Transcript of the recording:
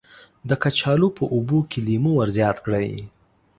د کچالو په اوبو کې لیمو ور زیات کړئ.